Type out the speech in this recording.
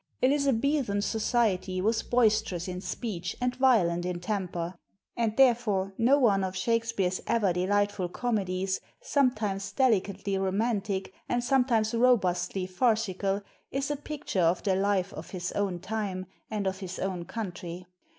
Elizabethan society was boisterous in speech and violent in temper; and therefore no one of Shakspere's ever delightful comedies, sometimes delicately romantic and sometimes robustly farcical, is a picture of the life of his own time and of his own country.